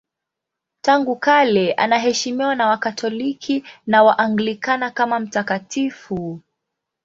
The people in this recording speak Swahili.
Tangu kale anaheshimiwa na Wakatoliki na Waanglikana kama mtakatifu.